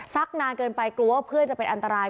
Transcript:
นานเกินไปกลัวว่าเพื่อนจะเป็นอันตราย